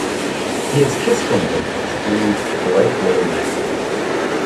‘He has kissed one of ‘em!’ exclaimed the delighted little man.